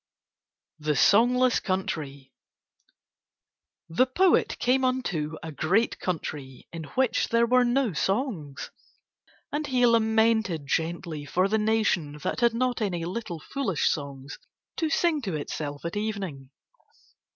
THE SONGLESS COUNTRY The poet came unto a great country in which there were no songs. And he lamented gently for the nation that had not any little foolish songs to sing to itself at evening.